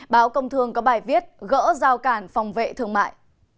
báo công thương có bài viết gỡ giao cản phòng vệ thương mại